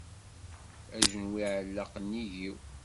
Ajenwi iεelleq nnig-iw.